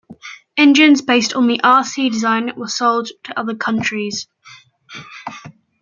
Engines based on the Rc design were sold to other countries.